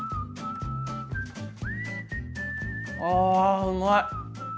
あうまい！